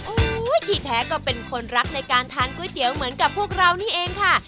ที่แท้ก็เป็นคนรักในการทานก๋วยเตี๋ยวเหมือนกับพวกเรานี่เองค่ะ